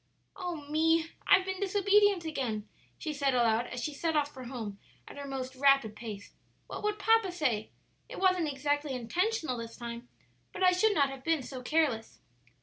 "Oh me! I've been disobedient again," she said aloud, as she set off for home at her most rapid pace; "what would papa say? It wasn't exactly intentional this time, but I should not have been so careless."